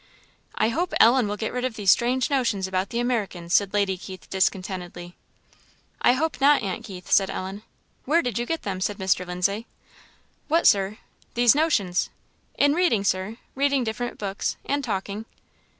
"I hope Ellen will get rid of these strange notions about the Americans," said Lady Keith, discontentedly. "I hope not, Aunt Keith," said Ellen. "Where did you get them?" said Mr. Lindsay. "What, Sir?" "These notions." "In reading, Sir; reading different books; and talking."